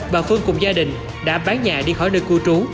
bà phương cùng gia đình đã bán nhà đi khỏi nơi cư trú